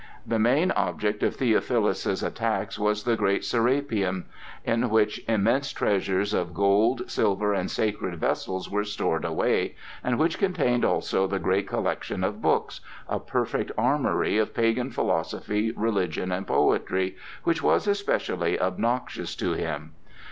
The main object of Theophilus's attacks was the great Serapeum, in which immense treasures of gold, silver, and sacred vessels were stored away, and which contained also the great collection of books,—a perfect armory of pagan philosophy, religion, and poetry,—which was especially obnoxious to him.